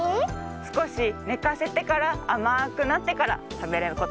すこしねかせてからあまくなってからたべることができます。